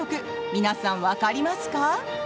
皆さん、分かりますか？